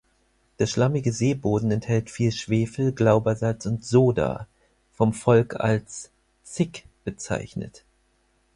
Der schlammige Seeboden enthält viel Schwefel, Glaubersalz und Soda, vom Volk als "Zick" bezeichnet.